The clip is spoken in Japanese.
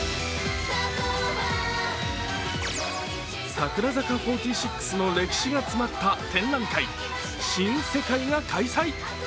櫻坂４６の歴史が詰まった展覧会、「新せ界」が開催。